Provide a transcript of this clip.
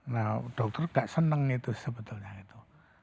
nah dokter gak seneng itu sebetulnya itu